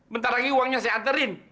bentar lagi uangnya saya aterin